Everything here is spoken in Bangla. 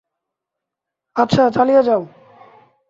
আচ্ছা, চালিয়ে যাও।